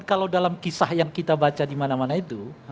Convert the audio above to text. kalau dalam kisah yang kita baca di mana mana itu